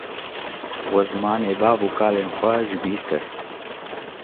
We zimanê bav û kalên xwe jibîr kir